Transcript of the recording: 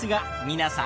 皆さん。